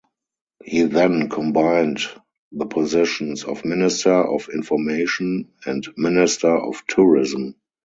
He then combined the positions of Minister of Information and Minister of Tourism.